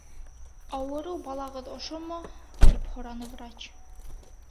- Ауырыу балағыҙ ошомо? - тип һораны врач.